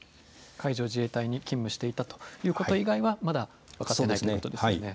海上自衛隊に勤務していたということ以外は、まだ分かってなそうですね。